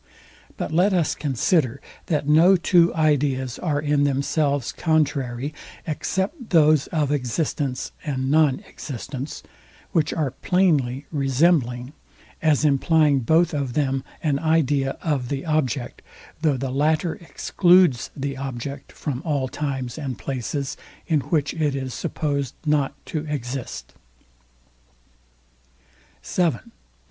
But let us consider, that no two ideas are in themselves contrary, except those of existence and non existence, which are plainly resembling, as implying both of them an idea of the object; though the latter excludes the object from all times and places, in which it is supposed not to exist.